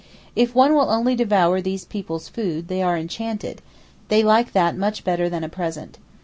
If one will only devour these people's food, they are enchanted; they like that much better than a present.